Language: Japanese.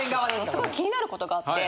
すごい気になる事があって。